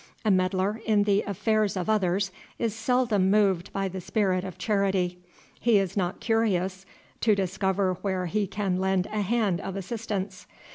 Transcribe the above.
A meddler in the affairs of others is seldom moved by the spirit of charity. He is not curious to discover where he can lend a hand of assistance.